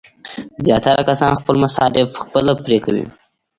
زیاتره کسان خپل مصارف خپله پرې کوي.